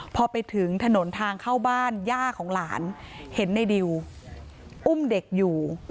พอไปถึงถนนทางเข้าบ้านย่าของหลานเห็นในดิวอุ้มเด็กอยู่